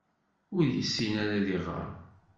Ur yessin ara ad iɣeṛ.